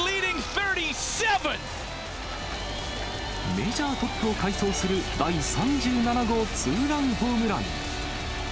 メジャートップを快走する第３７号ツーランホームラン。